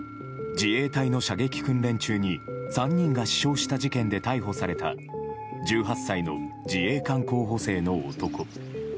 自衛隊の射撃訓練中に３人が死傷した事件で逮捕された１８歳の自衛官候補生の男。